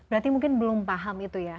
berarti mungkin belum paham itu ya